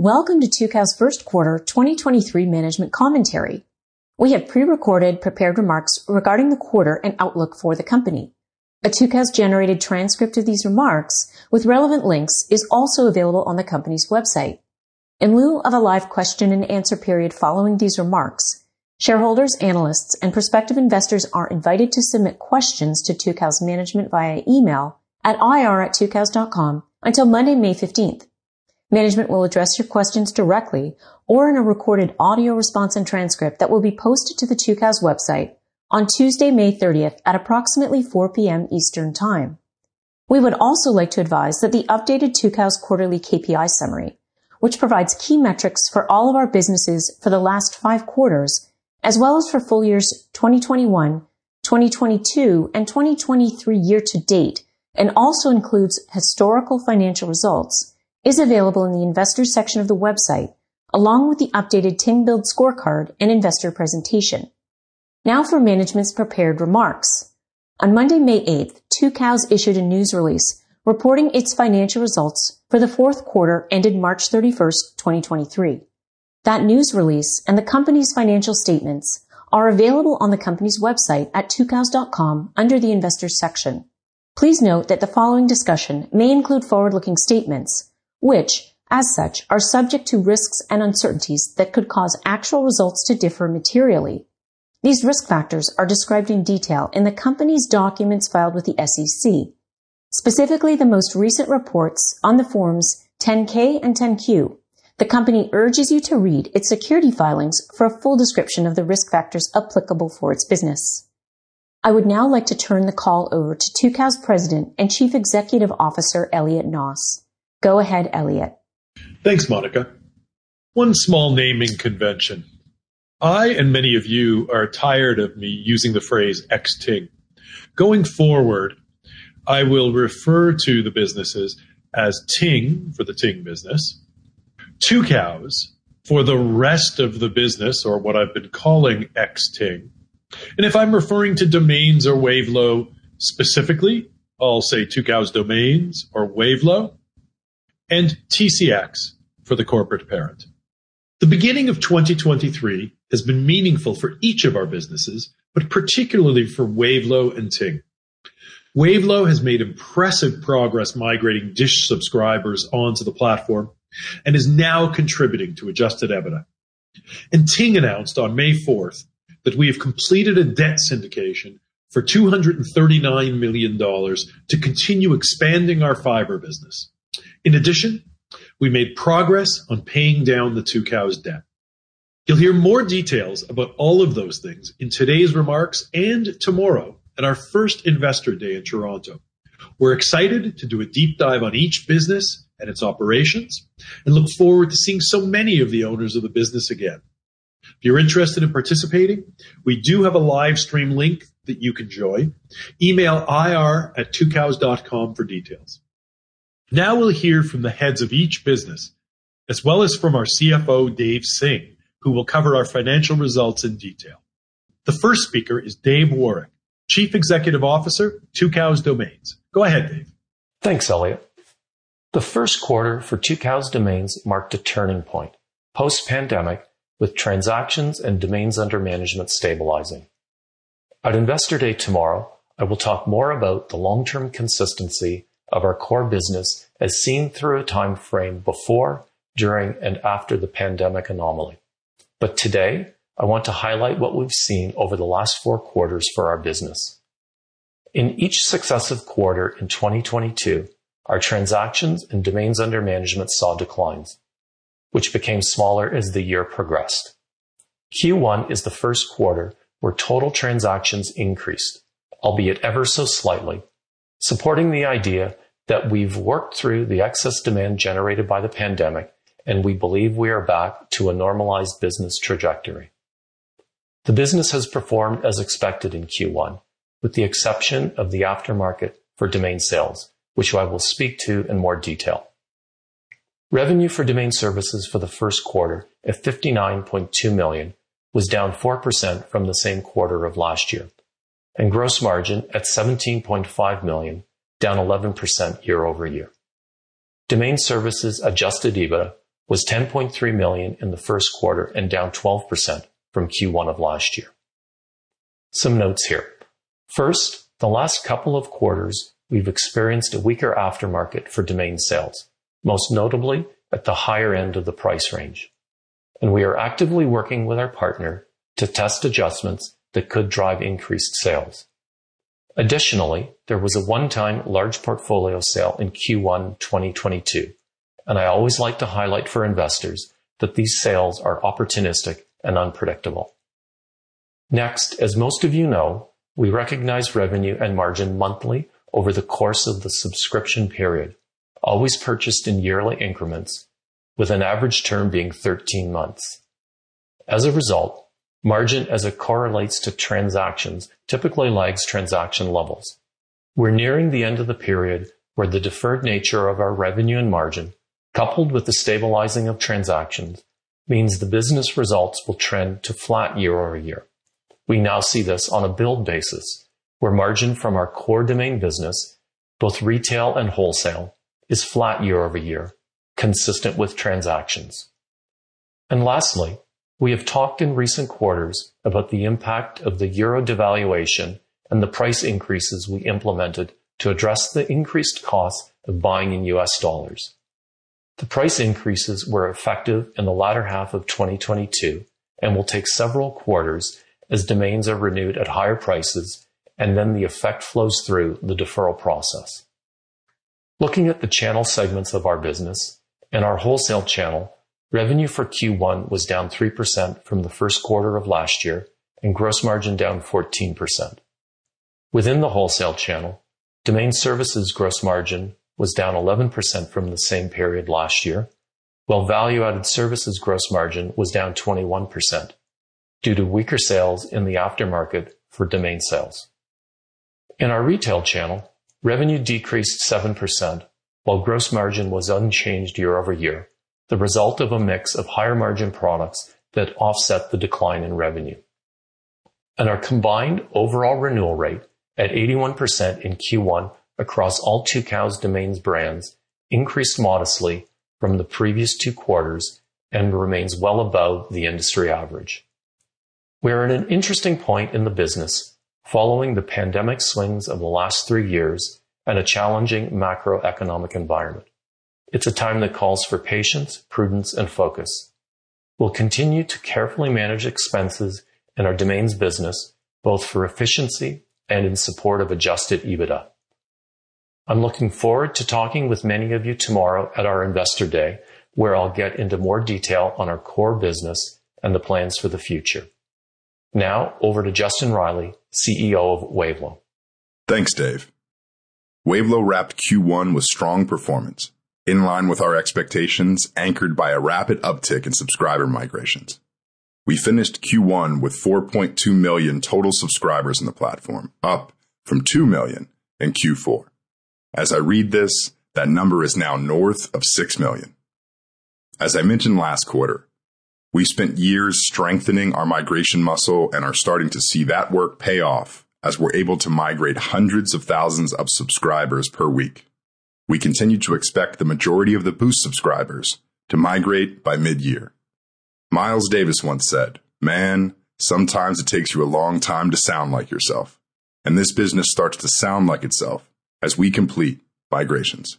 Welcome to Tucows' first quarter 2023 management commentary. We have prerecorded prepared remarks regarding the quarter and outlook for the company. A Tucows-generated transcript of these remarks with relevant links is also available on the company's website. In lieu of a live question-and-answer period following these remarks, shareholders, analysts, and prospective investors are invited to submit questions to Tucows Management via email at ir@tucows.com until Monday, May 15th. Management will address your questions directly or in a recorded audio response and transcript that will be posted to the Tucows website on Tuesday, May 30th at approximately 4:00 P.M. Eastern Time. We would also like to advise that the updated Tucows quarterly KPI summary, which provides key metrics for all of our businesses for the last five quarters, as well as for full years 2021, 2022, and 2023 year to date, and also includes historical financial results, is available in the investors section of the website, along with the updated Ting Build Scorecard and investor presentation. Now for management's prepared remarks. On Monday, May 8th, Tucows issued a news release reporting its financial results for the fourth quarter ended March 31st, 2023. That news release and the company's financial statements are available on the company's website at tucows.com under the Investors section. Please note that the following discussion may include forward-looking statements, which, as such, are subject to risks and uncertainties that could cause actual results to differ materially. These risk factors are described in detail in the company's documents filed with the SEC, specifically the most recent reports on the Forms 10-K and 10-Q. The company urges you to read its security filings for a full description of the risk factors applicable for its business. I would now like to turn the call over to Tucows' President and Chief Executive Officer, Elliot Noss. Go ahead, Elliot. Thanks, Monica. One small naming convention. I and many of you are tired of me using the phrase ex-Ting. Going forward, I will refer to the businesses as Ting for the Ting business, Tucows for the rest of the business or what I've been calling ex-Ting. If I'm referring to Domains or Wavelo specifically, I'll say Tucows Domains or Wavelo, and TCX for the corporate parent. The beginning of 2023 has been meaningful for each of our businesses, but particularly for Wavelo and Ting. Wavelo has made impressive progress migrating DISH subscribers onto the platform and is now contributing to adjusted EBITDA. Ting announced on May 4 that we have completed a debt syndication for $239 million to continue expanding our fiber business. In addition, we made progress on paying down the Tucows debt. You'll hear more details about all of those things in today's remarks and tomorrow at our first Investor Day at Toronto. We're excited to do a deep dive on each business and its operations and look forward to seeing so many of the owners of the business again. If you're interested in participating, we do have a live stream link that you can join. Email ir@tucows.com for details. Now we'll hear from the heads of each business, as well as from our CFO, Dave Singh, who will cover our financial results in detail. The first speaker is Dave Woroch, Chief Executive Officer, Tucows Domains. Go ahead, Dave. Thanks, Elliot. The first quarter for Tucows Domains marked a turning point post-pandemic, with transactions and domains under management stabilizing. At Investor Day tomorrow, I will talk more about the long-term consistency of our core business as seen through a timeframe before, during, and after the pandemic anomaly. Today, I want to highlight what we've seen over the last 4 quarters for our business. In each successive quarter in 2022, our transactions and domains under management saw declines, which became smaller as the year progressed. Q1 is the first quarter where total transactions increased, albeit ever so slightly, supporting the idea that we've worked through the excess demand generated by the pandemic, and we believe we are back to a normalized business trajectory. The business has performed as expected in Q1, with the exception of the aftermarket for domain sales, which I will speak to in more detail. Revenue for domain services for the first quarter at $59.2 million was down 4% from the same quarter of last year. Gross margin at $17.5 million down 11% year-over-year. Domain services adjusted EBITDA was $10.3 million in the first quarter, down 12% from Q1 of last year. Some notes here. First, the last couple of quarters, we've experienced a weaker aftermarket for domain sales, most notably at the higher end of the price range. We are actively working with our partner to test adjustments that could drive increased sales. Additionally, there was a one-time large portfolio sale in Q1 2022. I always like to highlight for investors that these sales are opportunistic and unpredictable. Next, as most of you know, we recognize revenue and margin monthly over the course of the subscription period, always purchased in yearly increments with an average term being 13 months. As a result, margin as it correlates to transactions typically lags transaction levels. We're nearing the end of the period where the deferred nature of our revenue and margin, coupled with the stabilizing of transactions, means the business results will trend to flat year-over-year. We now see this on a build basis, where margin from our core domain business, both retail and wholesale, is flat year-over-year, consistent with transactions. Lastly, we have talked in recent quarters about the impact of the Euro devaluation and the price increases we implemented to address the increased costs of buying in U.S. dollars. The price increases were effective in the latter half of 2022 and will take several quarters as domains are renewed at higher prices, and then the effect flows through the deferral process. Looking at the channel segments of our business. In our wholesale channel, revenue for Q1 was down 3% from the first quarter of last year, and gross margin down 14%. Within the wholesale channel, domain services gross margin was down 11% from the same period last year, while value-added services gross margin was down 21% due to weaker sales in the aftermarket for domain sales. In our retail channel, revenue decreased 7%, while gross margin was unchanged year-over-year, the result of a mix of higher-margin products that offset the decline in revenue. Our combined overall renewal rate at 81% in Q1 across all Tucows Domains brands increased modestly from the previous two quarters and remains well above the industry average. We are at an interesting point in the business following the pandemic swings of the last three years and a challenging macroeconomic environment. It's a time that calls for patience, prudence, and focus. We'll continue to carefully manage expenses in our domains business, both for efficiency and in support of adjusted EBITDA. I'm looking forward to talking with many of you tomorrow at our Investor Day, where I'll get into more detail on our core business and the plans for the future. Over to Justin Reilly, CEO of Wavelo. Thanks, Dave. Wavelo wrapped Q1 with strong performance in line with our expectations, anchored by a rapid uptick in subscriber migrations. We finished Q1 with 4.2 million total subscribers in the platform, up from 2 million in Q4. As I read this, that number is now north of 6 million. As I mentioned last quarter, we spent years strengthening our migration muscle and are starting to see that work pay off as we're able to migrate hundreds of thousands of subscribers per week. We continue to expect the majority of the Boost subscribers to migrate by mid-year. Miles Davis once said, "Man, sometimes it takes you a long time to sound like yourself." This business starts to sound like itself as we complete migrations.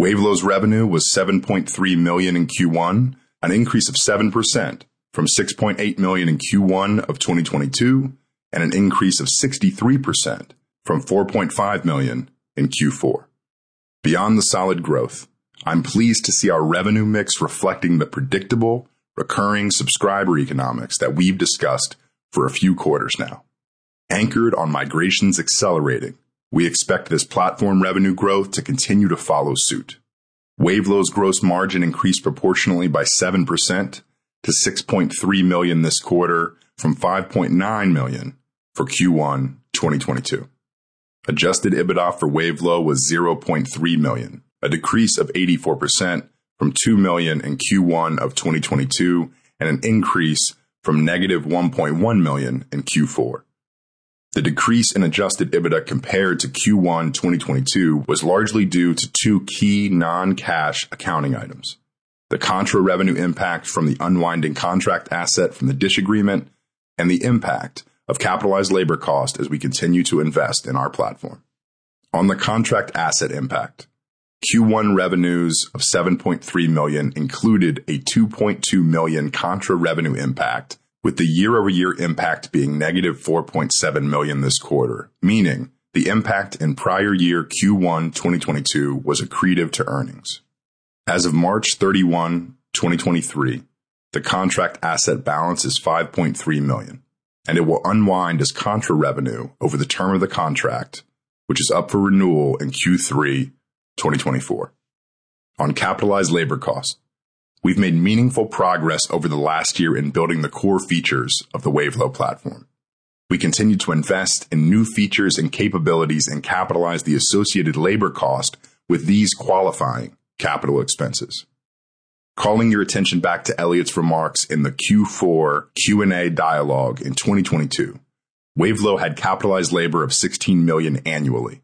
Wavelo's revenue was $7.3 million in Q1, an increase of 7% from $6.8 million in Q1 2022, and an increase of 63% from $4.5 million in Q4. Beyond the solid growth, I'm pleased to see our revenue mix reflecting the predictable recurring subscriber economics that we've discussed for a few quarters now. Anchored on migrations accelerating, we expect this platform revenue growth to continue to follow suit. Wavelo's gross margin increased proportionally by 7% to $6.3 million this quarter from $5.9 million for Q1 2022. Adjusted EBITDA for Wavelo was $0.3 million, a decrease of 84% from $2 million in Q1 2022, and an increase from negative $1.1 million in Q4. The decrease in adjusted EBITDA compared to Q1 2022 was largely due to two key non-cash accounting items: the contra revenue impact from the unwinding contract asset from the DISH agreement, and the impact of capitalized labor cost as we continue to invest in our platform. On the contract asset impact, Q1 revenues of $7.3 million included a $2.2 million contra revenue impact, with the year-over-year impact being negative $4.7 million this quarter, meaning the impact in prior year Q1 2022 was accretive to earnings. As of March 31, 2023, the contract asset balance is $5.3 million, and it will unwind as contra revenue over the term of the contract, which is up for renewal in Q3 2024. On capitalized labor costs, we've made meaningful progress over the last year in building the core features of the Wavelo platform. We continue to invest in new features and capabilities and capitalize the associated labor cost with these qualifying capital expenses. Calling your attention back to Elliot's remarks in the Q4 Q&A dialogue in 2022, Wavelo had capitalized labor of $16 million annually.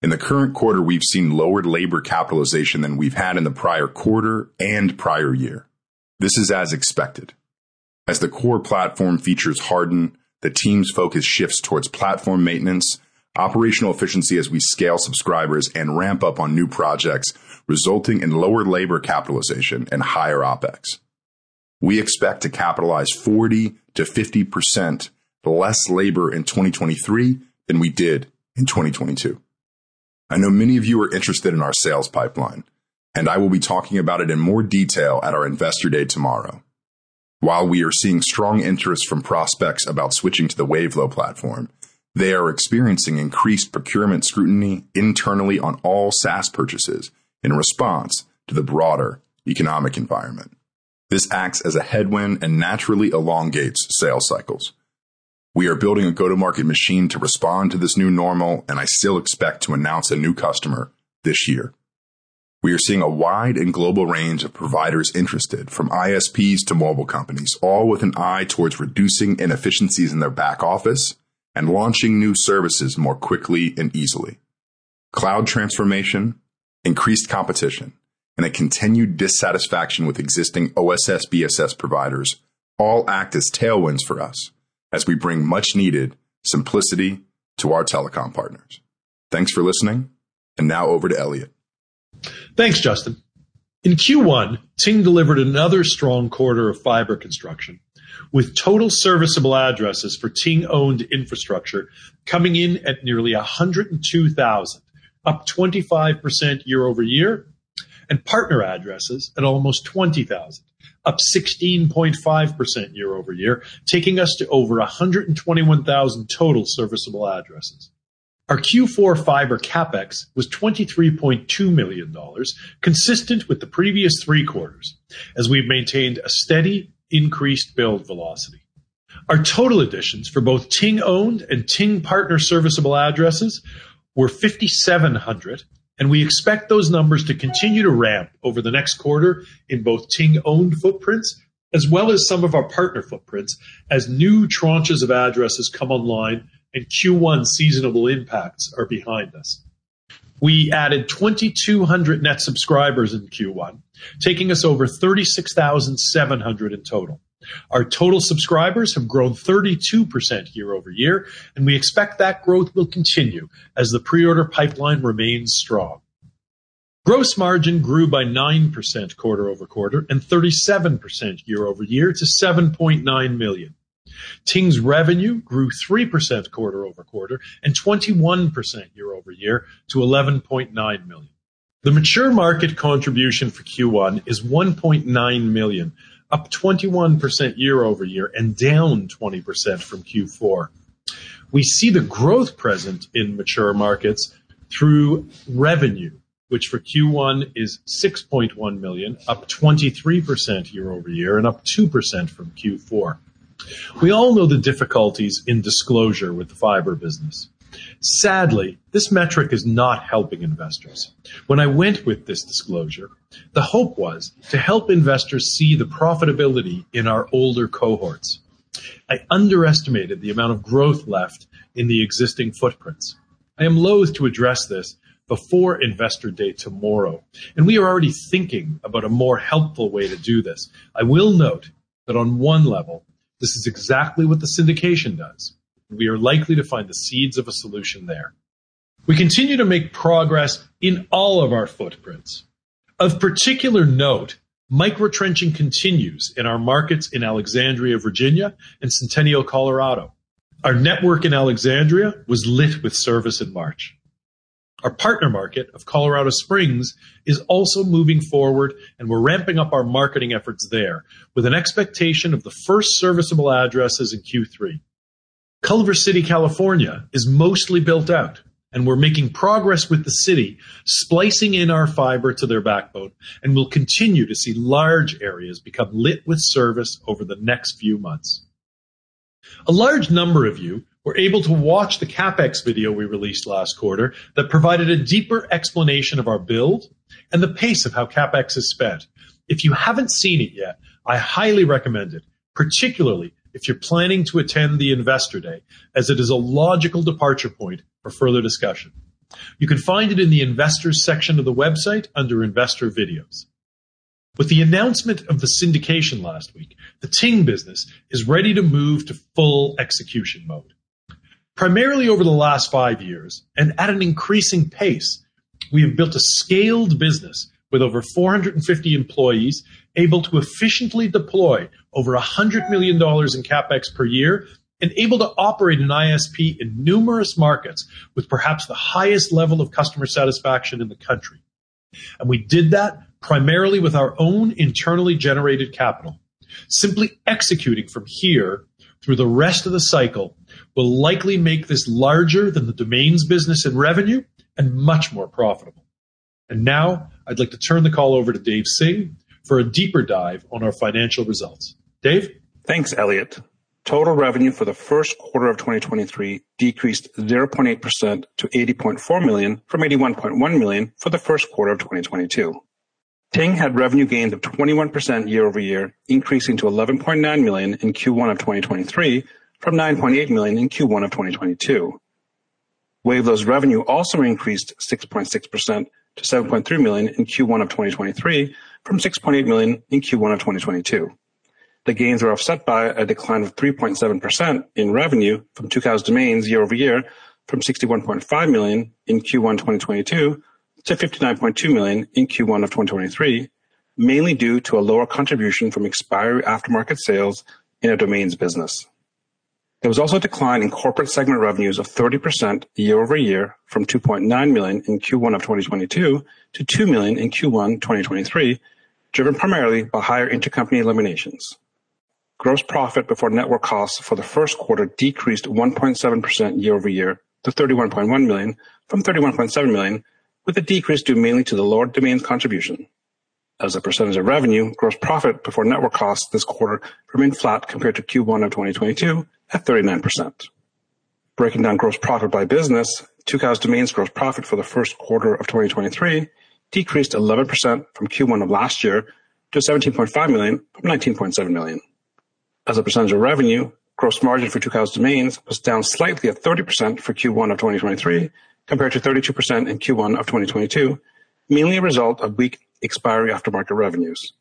In the current quarter, we've seen lower labor capitalization than we've had in the prior quarter and prior year. This is as expected. As the core platform features harden, the team's focus shifts towards platform maintenance, operational efficiency as we scale subscribers and ramp up on new projects, resulting in lower labor capitalization and higher OpEx. We expect to capitalize 40%-50% less labor in 2023 than we did in 2022. I know many of you are interested in our sales pipeline, and I will be talking about it in more detail at our Investor Day tomorrow. While we are seeing strong interest from prospects about switching to the Wavelo platform, they are experiencing increased procurement scrutiny internally on all SaaS purchases in response to the broader economic environment. This acts as a headwind and naturally elongates sales cycles. We are building a go-to-market machine to respond to this new normal, and I still expect to announce a new customer this year. We are seeing a wide and global range of providers interested, from ISPs to mobile companies, all with an eye towards reducing inefficiencies in their back office and launching new services more quickly and easily. Cloud transformation, increased competition, and a continued dissatisfaction with existing OSS/BSS providers all act as tailwinds for us as we bring much-needed simplicity to our telecom partners. Thanks for listening. Now over to Elliot. Thanks, Justin. In Q1, Ting delivered another strong quarter of fiber construction, with total serviceable addresses for Ting-owned infrastructure coming in at nearly 102,000, up 25% year-over-year, and partner addresses at almost 20,000, up 16.5% year-over-year, taking us to over 121,000 total serviceable addresses. Our Q4 fiber CapEx was $23.2 million, consistent with the previous three quarters as we've maintained a steady increased build velocity. Our total additions for both Ting owned and Ting partner serviceable addresses were 5,700. We expect those numbers to continue to ramp over the next quarter in both Ting owned footprints as well as some of our partner footprints as new tranches of addresses come online and Q1 seasonable impacts are behind us. We added 2,200 net subscribers in Q1, taking us over 36,700 in total. Our total subscribers have grown 32% year-over-year, we expect that growth will continue as the pre-order pipeline remains strong. Gross margin grew by 9% quarter-over-quarter and 37% year-over-year to $7.9 million. Ting's revenue grew 3% quarter-over-quarter and 21% year-over-year to $11.9 million. The mature market contribution for Q1 is $1.9 million, up 21% year-over-year and down 20% from Q4. We see the growth present in mature markets through revenue, which for Q1 is $6.1 million, up 23% year-over-year and up 2% from Q4. We all know the difficulties in disclosure with the fiber business. Sadly, this metric is not helping investors. When I went with this disclosure, the hope was to help investors see the profitability in our older cohorts. I underestimated the amount of growth left in the existing footprints. I am loathe to address this before Investor Day tomorrow, and we are already thinking about a more helpful way to do this. I will note that on one level, this is exactly what the syndication does. We are likely to find the seeds of a solution there. We continue to make progress in all of our footprints. Of particular note, microtrenching continues in our markets in Alexandria, Virginia and Centennial, Colorado. Our network in Alexandria was lit with service in March. Our partner market of Colorado Springs is also moving forward, and we're ramping up our marketing efforts there with an expectation of the first serviceable addresses in Q3. Culver City, California is mostly built out, and we're making progress with the city splicing in our fiber to their backbone and will continue to see large areas become lit with service over the next few months. A large number of you were able to watch the CapEx video we released last quarter that provided a deeper explanation of our build and the pace of how CapEx is spent. If you haven't seen it yet, I highly recommend it, particularly if you're planning to attend the Investor Day as it is a logical departure point for further discussion. You can find it in the investor section of the website under Investor Videos. With the announcement of the syndication last week, the Ting business is ready to move to full execution mode. Primarily over the last five years and at an increasing pace, we have built a scaled business with over 450 employees able to efficiently deploy over $100 million in CapEx per year and able to operate an ISP in numerous markets with perhaps the highest level of customer satisfaction in the country. We did that primarily with our own internally generated capital. Simply executing from here through the rest of the cycle will likely make this larger than the domains business and revenue and much more profitable. Now I'd like to turn the call over to Dave Singh for a deeper dive on our financial results. Dave? Thanks, Elliot. Total revenue for the first quarter of 2023 decreased 0.8% to $80.4 million from $81.1 million for the first quarter of 2022. Ting had revenue gains of 21% year-over-year, increasing to $11.9 million in Q1 of 2023 from $9.8 million in Q1 of 2022. Wavelo's revenue also increased 6.6% to $7.3 million in Q1 of 2023 from $6.8 million in Q1 of 2022. The gains were offset by a decline of 3.7% in revenue from Tucows Domains year-over-year from $61.5 million in Q1 2022 to $59.2 million in Q1 of 2023, mainly due to a lower contribution from expired aftermarket sales in our domains business. There was also a decline in corporate segment revenues of 30% year-over-year from $2.9 million in Q1 of 2022 to $2 million in Q1 2023, driven primarily by higher intercompany eliminations. Gross profit before network costs for the first quarter decreased 1.7% year-over-year to $31.1 million from $31.7 million, with the decrease due mainly to the lower domains contribution. As a percentage of revenue, gross profit before network cost this quarter remained flat compared to Q1 of 2022 at 39%. Breaking down gross profit by business, Tucows Domains gross profit for the first quarter of 2023 decreased 11% from Q1 of last year to $17.5 million from $19.7 million. As a percentage of revenue, gross margin for Tucows Domains was down slightly at 30% for Q1 2023 compared to 32% in Q1 2022, mainly a result of weak expiry aftermarket revenues.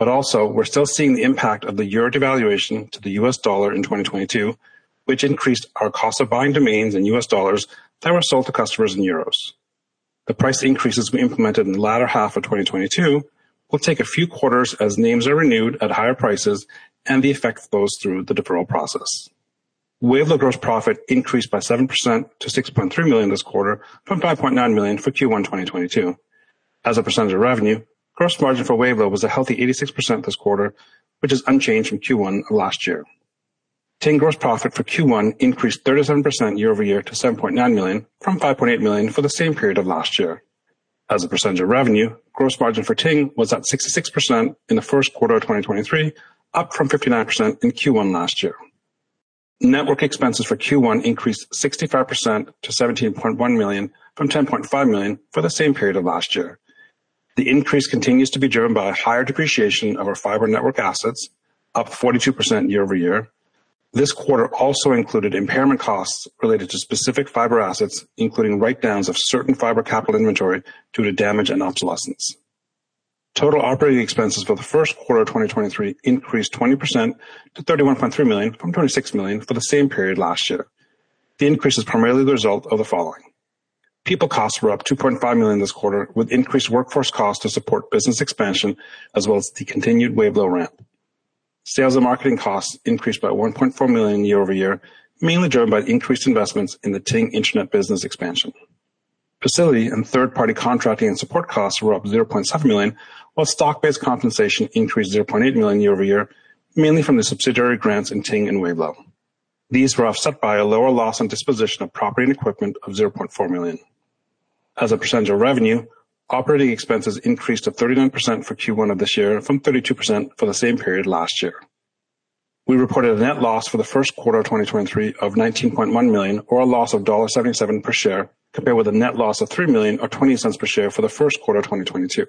Also, we're still seeing the impact of the Euro devaluation to the U.S. dollar in 2022, which increased our cost of buying domains in U.S. dollar that were sold to customers in EUR. The price increases we implemented in the latter half of 2022 will take a few quarters as names are renewed at higher prices and the effect flows through the deferral process. Wavelo gross profit increased by 7% to $6.3 million this quarter from $5.9 million for Q1 2022. As a percentage of revenue, gross margin for Wavelo was a healthy 86% this quarter, which is unchanged from Q1 last year. Ting gross profit for Q1 increased 37% year-over-year to $7.9 million from $5.8 million for the same period of last year. As a percentage of revenue, gross margin for Ting was at 66% in the first quarter of 2023, up from 59% in Q1 last year. Network expenses for Q1 increased 65% to $17.1 million from $10.5 million for the same period of last year. The increase continues to be driven by a higher depreciation of our fiber network assets, up 42% year-over-year. This quarter also included impairment costs related to specific fiber assets, including write-downs of certain fiber capital inventory due to damage and obsolescence. Total operating expenses for the first quarter of 2023 increased 20% to $31.3 million from $26 million for the same period last year. The increase is primarily the result of the following. People costs were up $2.5 million this quarter, with increased workforce costs to support business expansion as well as the continued Wavelo ramp. Sales and marketing costs increased by $1.4 million year-over-year, mainly driven by increased investments in the Ting Internet business expansion. Facility and third-party contracting and support costs were up $0.7 million, while stock-based compensation increased $0.8 million year-over-year, mainly from the subsidiary grants in Ting and Wavelo. These were offset by a lower loss on disposition of property and equipment of $0.4 million. As a percentage of revenue, operating expenses increased to 39% for Q1 of this year from 32% for the same period last year. We reported a net loss for the first quarter of 2023 of $19.1 million or a loss of $0.77 per share compared with a net loss of $3 million or $0.20 per share for the first quarter of 2022.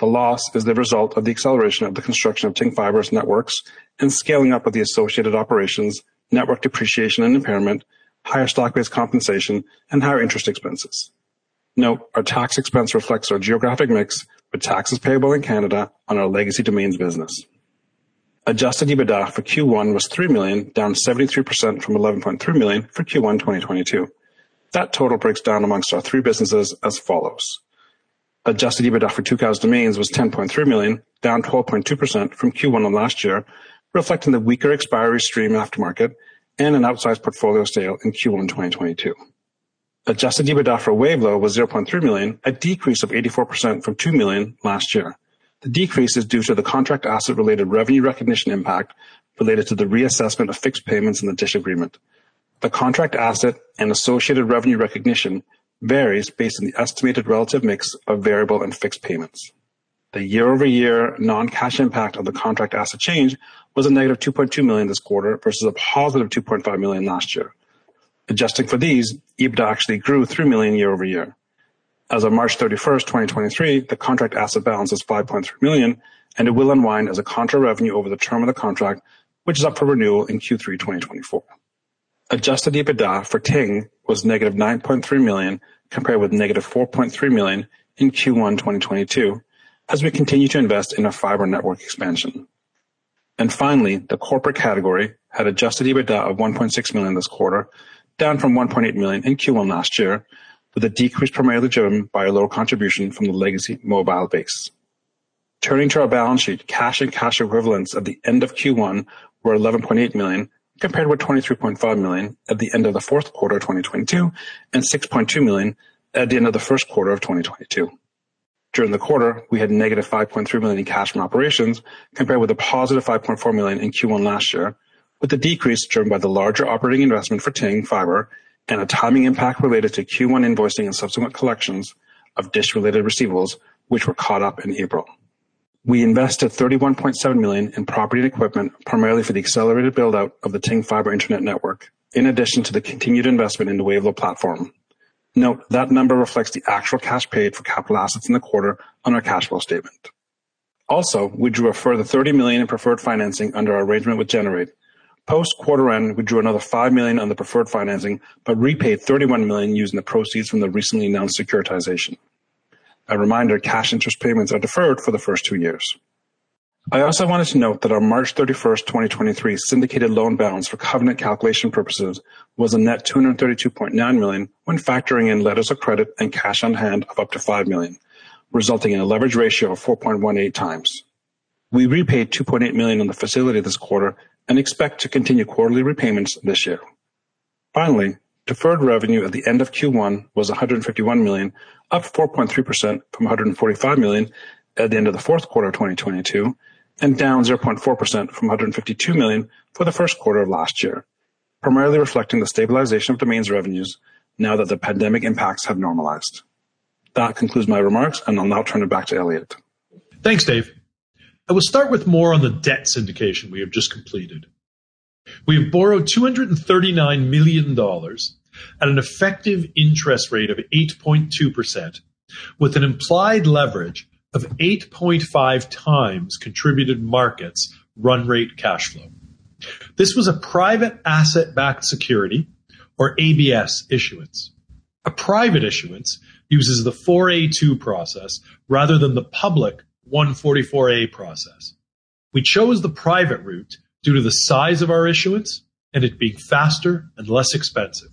The loss is the result of the acceleration of the construction of Ting Fiber networks and scaling up of the associated operations, network depreciation and impairment, higher stock-based compensation, and higher interest expenses. Note, our tax expense reflects our geographic mix with taxes payable in Canada on our legacy domains business. Adjusted EBITDA for Q1 was $3 million, down 73% from $11.3 million for Q1 2022. That total breaks down amongst our three businesses as follows: Adjusted EBITDA for Tucows Domains was $10.3 million, down 12.2% from Q1 of last year, reflecting the weaker expiry stream aftermarket and an outsized portfolio sale in Q1 2022. Adjusted EBITDA for Wavelo was $0.3 million, a decrease of 84% from $2 million last year. The decrease is due to the contract asset-related revenue recognition impact related to the reassessment of fixed payments in the DISH agreement. The contract asset and associated revenue recognition varies based on the estimated relative mix of variable and fixed payments. The year-over-year non-cash impact of the contract asset change was a negative $2.2 million this quarter versus a positive $2.5 million last year. Adjusting for these, EBITDA actually grew $3 million year-over-year. As of March 31st, 2023, the contract asset balance was $5.3 million, and it will unwind as a contra revenue over the term of the contract, which is up for renewal in Q3 2024. Adjusted EBITDA for Ting was negative $9.3 million, compared with negative $4.3 million in Q1 2022, as we continue to invest in our fiber network expansion. Finally, the corporate category had adjusted EBITDA of $1.6 million this quarter, down from $1.8 million in Q1 last year, with a decrease primarily driven by a lower contribution from the legacy mobile base. Turning to our balance sheet, cash and cash equivalents at the end of Q1 were $11.8 million, compared with $23.5 million at the end of the fourth quarter of 2022 and $6.2 million at the end of the first quarter of 2022. During the quarter, we had negative $5.3 million in cash from operations, compared with a positive $5.4 million in Q1 last year, with the decrease driven by the larger operating investment for Ting Fiber and a timing impact related to Q1 invoicing and subsequent collections of DISH-related receivables, which were caught up in April. We invested $31.7 million in property and equipment, primarily for the accelerated build-out of the Ting Fiber Internet network, in addition to the continued investment in the Wavelo platform. Note, that number reflects the actual cash paid for capital assets in the quarter on our cash flow statement. We drew a further $30 million in preferred financing under our arrangement with Generate. Post quarter end, we drew another $5 million on the preferred financing, but repaid $31 million using the proceeds from the recently announced securitization. A reminder, cash interest payments are deferred for the first two years. I also wanted to note that our March 31st, 2023 syndicated loan balance for covenant calculation purposes was a net $232.9 million when factoring in letters of credit and cash on hand of up to $5 million, resulting in a leverage ratio of 4.18x. We repaid $2.8 million on the facility this quarter and expect to continue quarterly repayments this year. Finally, deferred revenue at the end of Q1 was $151 million, up 4.3% from $145 million at the end of the fourth quarter of 2022 and down 0.4% from $152 million for the first quarter of last year, primarily reflecting the stabilization of domains revenues now that the pandemic impacts have normalized. That concludes my remarks, and I'll now turn it back to Elliot. Thanks, Dave. I will start with more on the debt syndication we have just completed. We have borrowed $239 million at an effective interest rate of 8.2%, with an implied leverage of 8.5x contributed markets run rate cash flow. This was a private asset-backed security or ABS issuance. A private issuance uses the four A two process rather than the public one forty-four A process. We chose the private route due to the size of our issuance and it being faster and less expensive.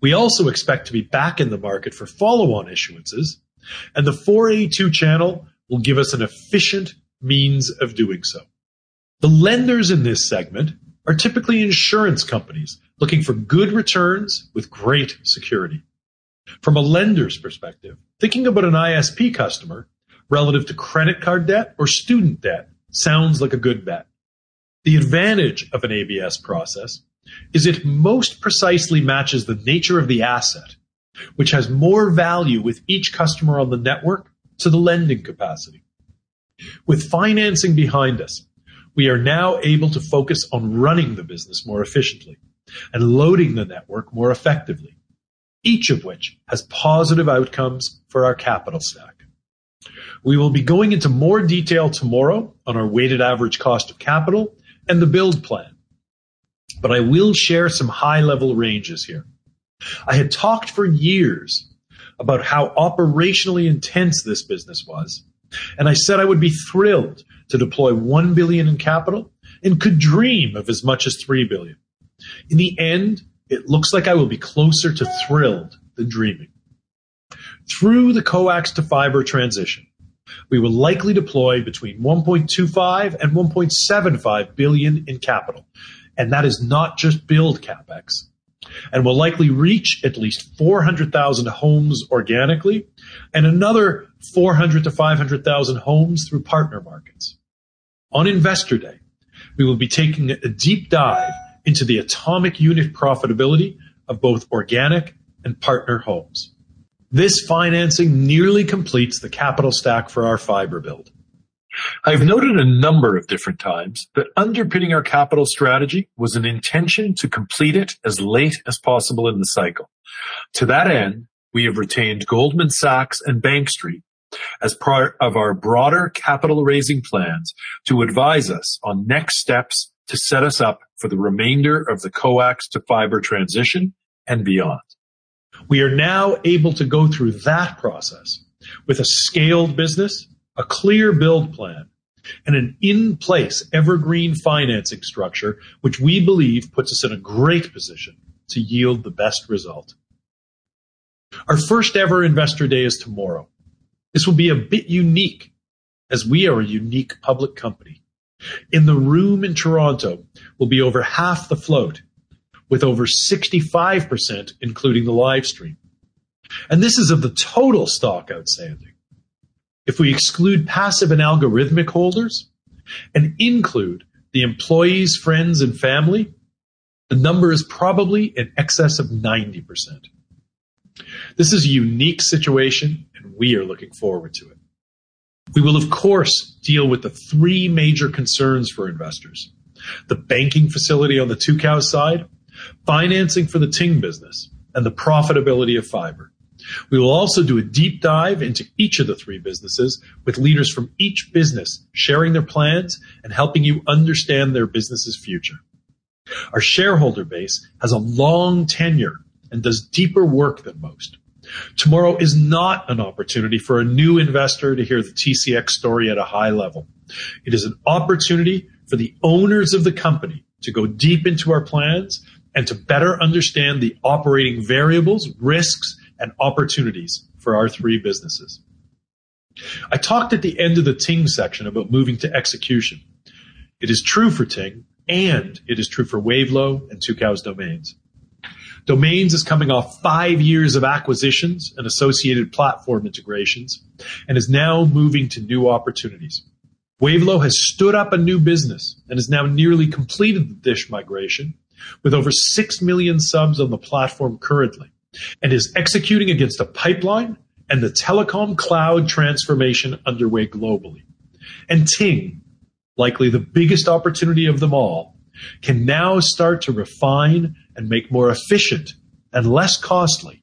We also expect to be back in the market for follow-on issuances, the four A two channel will give us an efficient means of doing so. The lenders in this segment are typically insurance companies looking for good returns with great security. From a lender's perspective, thinking about an ISP customer relative to credit card debt or student debt sounds like a good bet. The advantage of an ABS process is it most precisely matches the nature of the asset, which has more value with each customer on the network to the lending capacity. With financing behind us, we are now able to focus on running the business more efficiently and loading the network more effectively, each of which has positive outcomes for our capital stack. We will be going into more detail tomorrow on our weighted average cost of capital and the build plan. I will share some high-level ranges here. I had talked for years about how operationally intense this business was. I said I would be thrilled to deploy $1 billion in capital and could dream of as much as $3 billion. In the end, it looks like I will be closer to thrilled than dreaming. Through the coax-to-fiber transition, we will likely deploy between $1.25 billion and $1.75 billion in capital, and that is not just build CapEx, and will likely reach at least 400,000 homes organically and another 400,000-500,000 homes through partner markets. On Investor Day, we will be taking a deep dive into the atomic unit profitability of both organic and partner homes. This financing nearly completes the capital stack for our fiber build. I've noted a number of different times that underpinning our capital strategy was an intention to complete it as late as possible in the cycle. To that end, we have retained Goldman Sachs and Bank Street as part of our broader capital raising plans to advise us on next steps to set us up for the remainder of the coax-to-fiber transition and beyond. We are now able to go through that process with a scaled business, a clear build plan, and an in-place evergreen financing structure, which we believe puts us in a great position to yield the best result. Our first ever Investor Day is tomorrow. This will be a bit unique as we are a unique public company. In the room in Toronto will be over half the float, with over 65%, including the live stream. This is of the total stock outstanding. If we exclude passive and algorithmic holders and include the employees, friends, and family, the number is probably in excess of 90%. This is a unique situation, and we are looking forward to it. We will of course, deal with the three major concerns for investors, the banking facility on the Tucows side, financing for the Ting business, and the profitability of fiber. We will also do a deep dive into each of the three businesses with leaders from each business sharing their plans and helping you understand their business's future. Our shareholder base has a long tenure and does deeper work than most. Tomorrow is not an opportunity for a new investor to hear the TCX story at a high level. It is an opportunity for the owners of the company to go deep into our plans and to better understand the operating variables, risks, and opportunities for our three businesses. I talked at the end of the Ting section about moving to execution. It is true for Ting. It is true for Wavelo and Tucows Domains. Domains is coming off five years of acquisitions and associated platform integrations and is now moving to new opportunities. Wavelo has stood up a new business and has now nearly completed the DISH migration with over 6 million subs on the platform currently and is executing against the pipeline and the telecom cloud transformation underway globally. Ting, likely the biggest opportunity of them all, can now start to refine and make more efficient and less costly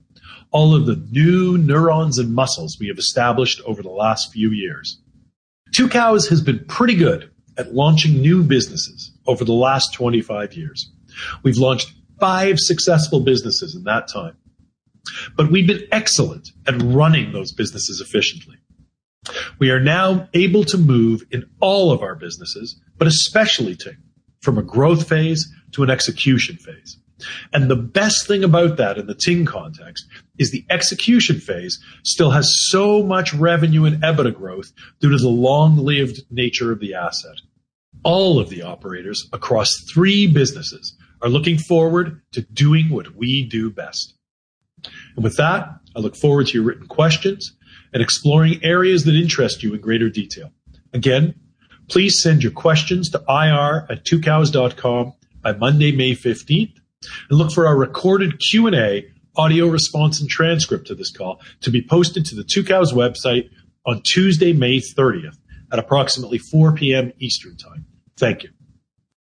all of the new neurons and muscles we have established over the last few years. Tucows has been pretty good at launching new businesses over the last 25 years. We've launched five successful businesses in that time. We've been excellent at running those businesses efficiently. We are now able to move in all of our businesses, but especially Ting, from a growth phase to an execution phase. The best thing about that in the Ting context is the execution phase still has so much revenue and EBITDA growth due to the long-lived nature of the asset. All of the operators across three businesses are looking forward to doing what we do best. With that, I look forward to your written questions and exploring areas that interest you in greater detail. Please send your questions to ir@tucows.com by Monday, May 15th, and look for our recorded Q&A, audio response, and transcript of this call to be posted to the Tucows website on Tuesday, May 30th at approximately 4:00 P.M. Eastern Time. Thank you.